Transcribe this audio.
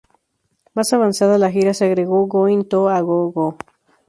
Más avanzada la gira se agregó "Going to a Go-Go".